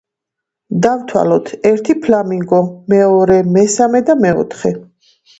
დავთვალოთ: ერთი ფლამინგო, მეორე, მესამე და მეოთხე.